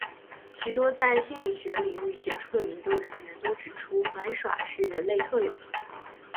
许多在心理学领域杰出的研究人员都指出玩耍是人类特有的。